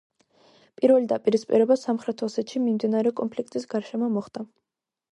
პირველი დაპირისპირება სამხრეთ ოსეთში მიმდინარე კონფლიქტის გარშემო მოხდა.